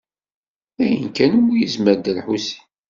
D aya kan umi yezmer Dda Lḥusin.